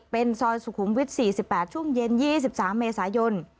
เป็นซอยสุขุมวิทย์๔๘ช่วงเย็น๒๓เมษายน